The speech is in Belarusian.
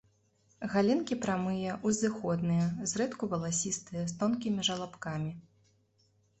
Галінкі прамыя, узыходныя, зрэдку валасістыя, з тонкімі жалабкамі.